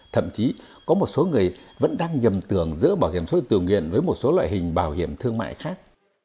thậm chí có một số người vẫn đang nhầm tưởng giữa bảo hiểm xã hội tự nguyện với một số loại hình bảo hiểm thương mại khác